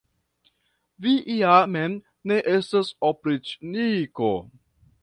Vi ja mem ne estas opriĉniko!